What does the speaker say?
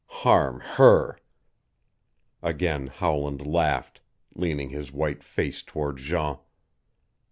Harm her " Again Howland laughed, leaning his white face toward Jean.